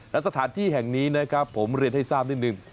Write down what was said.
และสถานที่แห่งนี้นะครับผมเรียนให้ทราบนิดนึง